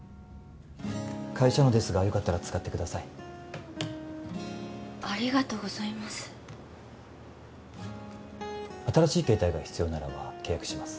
会社のですがよかったら使ってくださいありがとうございます新しい携帯が必要ならば契約します